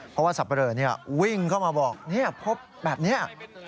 เพราะว่าสัปดาห์เรื่องี้วิ่งเข้ามาบอกพบแบบนี้